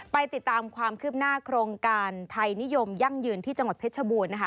ไปติดตามความคืบหน้าโครงการไทยนิยมยั่งยืนที่จังหวัดเพชรบูรณ์นะคะ